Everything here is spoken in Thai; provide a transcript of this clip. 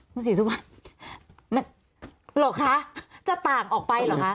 คุณศรีสุวรรณหรอคะจะต่างออกไปเหรอคะ